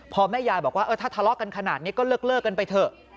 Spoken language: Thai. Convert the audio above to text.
พอแม่ยายบอกว่าถ้าทะเลาะกันขนาดนี้ก็เลิกกันไปเถอะ